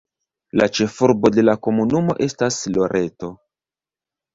La ĉefurbo de la komunumo estas Loreto.